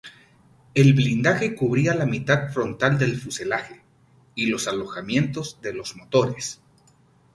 El blindaje cubría la mitad frontal del fuselaje y los alojamientos de los motores.